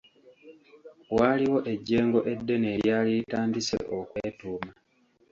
Waaliwo ejjengo eddene eryali litandise okwetuuma.